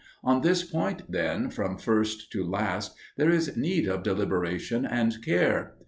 On this point, then, from first to last there is need of deliberation and care.